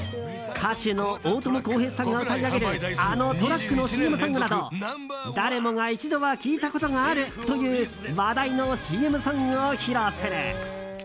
歌手の大友康平さんが歌い上げるあのトラックのＣＭソングなど誰もが一度は聴いたことがあるという話題のＣＭソングを披露する。